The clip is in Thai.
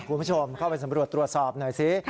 คุณผู้ชมเข้าไปสำรวจตรวจสอบหน่อยสิ